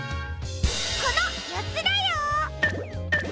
このよっつだよ！